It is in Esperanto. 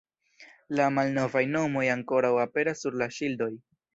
La malnovaj nomoj ankoraŭ aperas sur la ŝildoj.